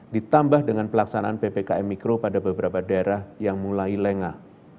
ditambah dengan pelaksanaan ppkm mikro pada beberapa daerah yang mulai lengah